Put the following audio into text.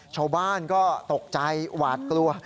ชาวบ้านก็ตกใจหวาดกลัว